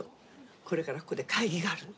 これからここで会議があるの。